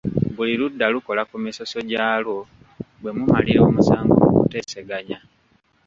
Buli ludda lukola ku misoso gyalwo bwe mumalira omusango mu kuteesaganya.